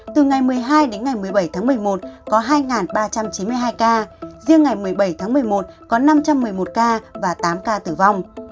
từ ngày một mươi hai đến ngày một mươi bảy tháng một mươi một có hai ba trăm chín mươi hai ca riêng ngày một mươi bảy tháng một mươi một có năm trăm một mươi một ca và tám ca tử vong